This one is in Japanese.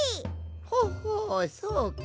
ほほそうか。